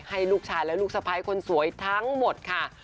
ให้ลูกชายและลูกสะพ้ายคนสวยทั้งหมดค่ะ